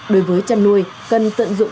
đối với chăn nuôi cần tận dụng